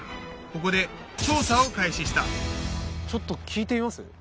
ここで調査を開始したちょっと聞いてみます？